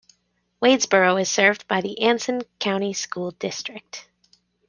Wadesboro is served by the Anson County School District.